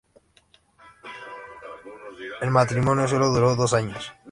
El matrimonio sólo duró dos años.